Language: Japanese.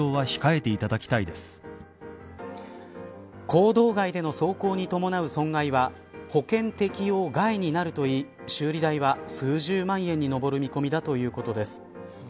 公道外での走行に伴う損害は保険適用外になるといい、修理代は数十万円に上る見込みだということです。